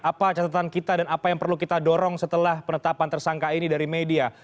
apa catatan kita dan apa yang perlu kita dorong setelah penetapan tersangka ini dari media